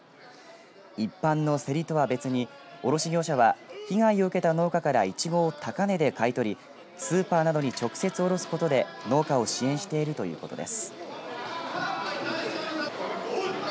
一般の競りとは別に卸業者は被害を受けた農家からいちごを高値で買い取りスーパーなどに直接おろすことで農家を支援しているということです。